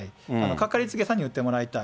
掛かりつけさんに打ってもらいたい。